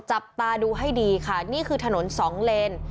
จับตาดูให้ดีค่ะนี่คือถนนสองเลน